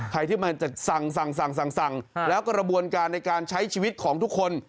ใครที่มันจะสั่งแล้วกระบวนการในการใช้ชีวิตของทุกคน